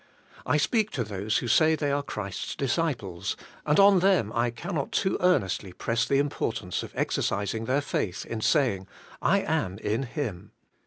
I speak to those who say they are Christ's disciples, aud on them I cannot too earnestly press the importance of exercising their faith in saying, 'I am in Him.'